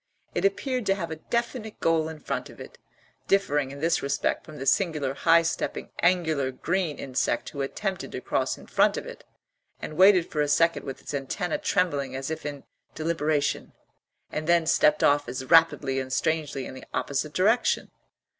It appeared to have a definite goal in front of it, differing in this respect from the singular high stepping angular green insect who attempted to cross in front of it, and waited for a second with its antennæ trembling as if in deliberation, and then stepped off as rapidly and strangely in the opposite direction.